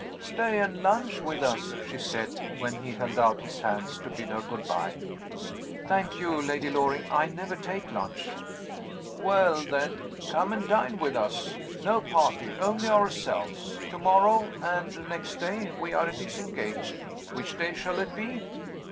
"Stay and lunch with us," she said, when he held out his hand to bid her good by. "Thank you, Lady Loring, I never take lunch." "Well, then, come and dine with us no party; only ourselves. Tomorrow, and next day, we are disengaged. Which day shall it be?"